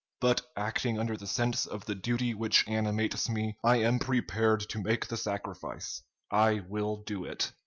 But, acting under the sense of the duty which animates me, I am prepared to make the sacrifice. I will do it.'